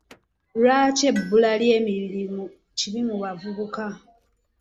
Lwaki ebbula ly'emirimu kibi mu bavubuka?